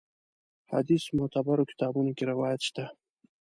حدیث معتبرو کتابونو کې روایت شته.